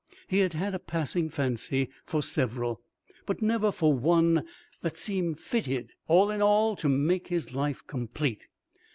He had had a passing fancy for several, but never for one that seemed fitted, all in all, to make his life complete.